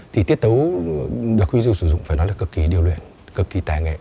thì tiết tấu được huy du sử dụng phải nói là cực kỳ điêu luyện cực kỳ tài nghệ